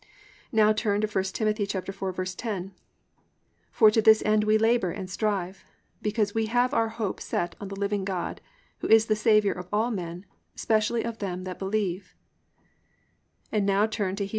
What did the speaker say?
"+ Now turn to 1 Tim. 4:10: +"For to this end we labour and strive, because we have our hope set on the living God, who is the Saviour of all men, specially of them that believe,"+ and now turn to Heb.